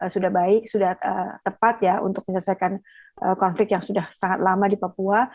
sudah baik sudah tepat ya untuk menyelesaikan konflik yang sudah sangat lama di papua